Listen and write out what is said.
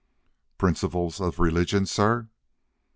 "Principles of religion, sir?"